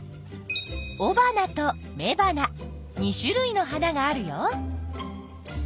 おばなとめばな２種類の花があるよ。